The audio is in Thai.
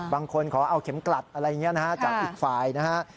ขอเอาเข็มกลัดอะไรอย่างนี้นะฮะจากอีกฝ่ายนะฮะ